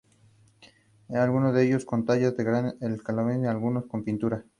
Otros minerales extraídos son el plomo, el carbón, cemento portland y piedra triturada.